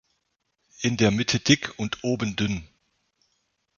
In der Mitte dick und oben dünn.